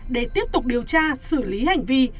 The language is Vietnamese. để tiếp tục điều tra xử lý hành vi